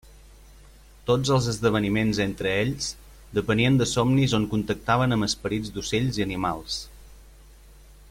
Tots els esdeveniments entre ells depenien de somnis on contactaven amb esperits d'ocells i animals.